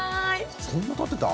そんなたってた？